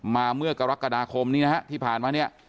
มาเมื่อกรกฎาคมนี้นะฮะที่ผ่านมาเนี่ย